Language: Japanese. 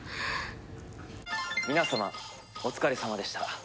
皆様お疲れさまでした。